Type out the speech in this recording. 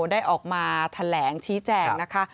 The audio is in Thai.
ได้ออกมาแถลงชี้แจงนะคะ